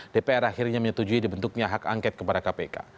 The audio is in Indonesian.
dpr akhirnya menyetujui dibentuknya hak angket kepada kpk